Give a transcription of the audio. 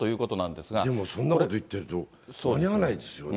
でもそんなこと言ってると、間に合わないですよね。